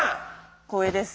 光栄です。